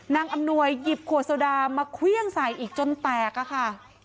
อำนวยหยิบขวดโซดามาเครื่องใส่อีกจนแตกอะค่ะ